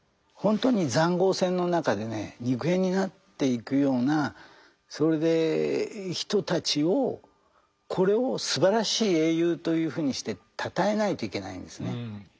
本当に塹壕戦の中でね肉片になっていくような人たちをこれをすばらしい英雄というふうにしてたたえないといけないんですね。